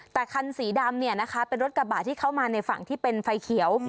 แต่คันสีดำเนี่ยนะคะเป็นรถกระบะที่เข้ามาในฝั่งที่เป็นไฟเขียว